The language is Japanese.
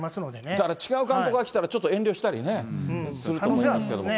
だから違う監督が来たらちょっと遠慮したりね、すると思いますけども。